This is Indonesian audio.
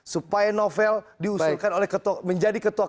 supaya novel diusulkan menjadi ketua kpk